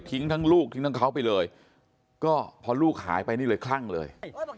ทั้งลูกทิ้งทั้งเขาไปเลยก็พอลูกหายไปนี่เลยคลั่งเลย